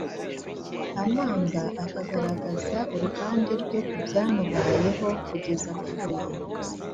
amanga akagaragaza uruhande rwe ku byamubayeho kugeza apfuye,